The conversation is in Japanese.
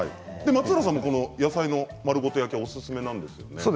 松浦さん、野菜の丸ごと焼きおすすめなんですよね。